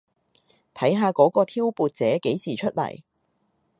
睇下嗰個挑撥者幾時出嚟